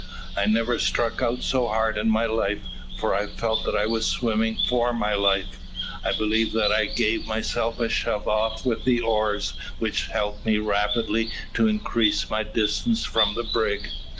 I never struck out so hard in my life, for I felt that I was swimming for my life. I believe that I gave myself a shove off with the oars, which helped me rapidly to increase my distance from the brig.